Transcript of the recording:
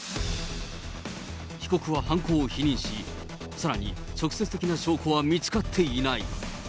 被告は犯行を否認し、さらに直接的な証拠は見つかっていない。